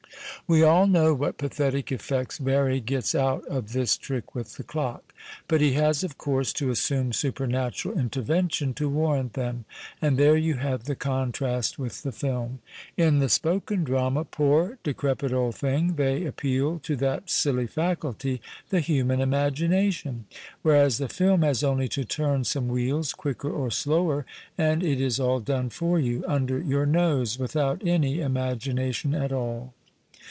We all know what pathetic effects Barrie gets out of this trick with the clock. But he has, of course, to assume supernatural intervention to warrant them. And there you have the contrast with the film. In the " spoken drama," poor, decrepit old thing, they appeal to that silly faculty, the human imagination ; whereas the film has only to turn some wheels quicker or slower and it is all done for you, under your nose, without any imagination at all.